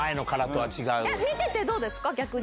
見ててどうですか、逆に。